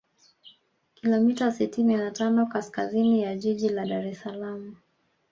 kilomita sitini na tano kaskazini ya jiji la Dar es Salaam